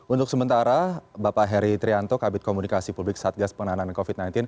untuk sementara bapak heri trianto kabit komunikasi publik satgas penanganan covid sembilan belas